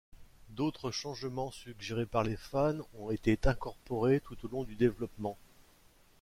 D'autres changements suggérés par les fans ont été incorporés tout au long du développement.